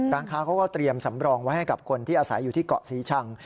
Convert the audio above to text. ร้านค้าเขาก็เตรียมสำรองไว้ให้กับคนที่อาศัยอยู่ที่เกาะศรีชัง